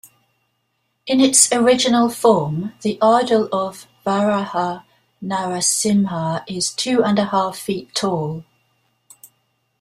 In its original form, the idol of Varaha Narasimha is two-and-a-half feet tall.